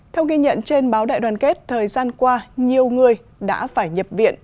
theo ghi nhận trên báo đại đoàn kết thời gian qua nhiều người đã phải nhập viện